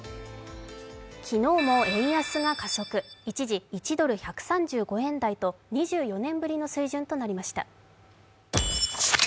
昨日も円安が加速、一次、１ドル＝１３５円台と２４年ぶりの水準となりました。